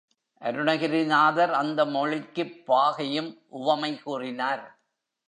அருணகிரிநாதர் அந்த மொழிக்குப் பாகையும் உவமை கூறினார்.